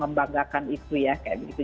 membanggakan itu ya kayak gitu